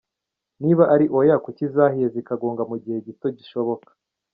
Niba ari Oya kuki zahiye zigakonga mu gihe gito gishoboka ?.